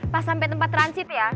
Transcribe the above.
pas sampai tempat transit ya